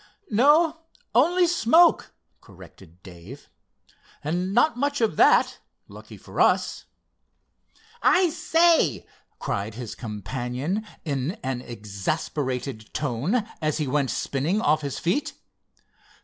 "No, only smoke," corrected Dave—"and not much of that, lucky for us!" "I say!" cried his companion in an exasperated tone as he went spinning off his feet.